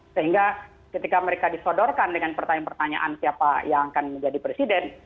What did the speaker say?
sehingga ketika mereka disodorkan dengan pertanyaan pertanyaan siapa yang akan menjadi presiden